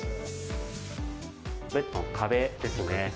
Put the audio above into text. ベッドの壁ですね